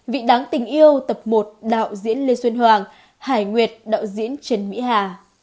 vị đáng tình yêu tập một đạo diễn lê xuân hoàng hải nguyệt đạo diễn trần mỹ hà